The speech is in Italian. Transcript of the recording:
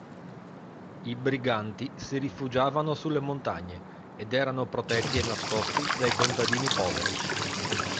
I briganti si rifugiavano sulle montagne ed erano protetti e nascosti dai contadini poveri.